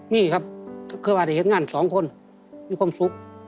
มีครับเพราะว่าเดี๋ยวเห็นงานสองคนมีความสุข